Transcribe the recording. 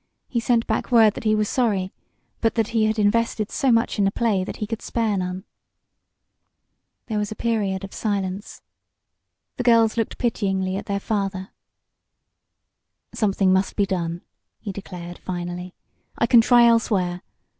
He sent back word that he was sorry, but that he had invested so much in the play that he could spare none." There was a period of silence. The girls looked pityingly at their father. "Something must be done," he declared, finally. "I can try elsewhere.